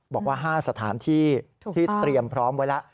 บอกว่า๕สถานที่ที่เตรียมพร้อมไว้แล้ว